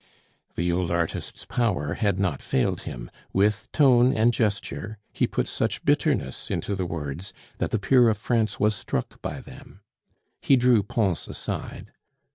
The old artist's power had not failed him; with tone and gesture he put such bitterness into the words, that the peer of France was struck by them. He drew Pons aside.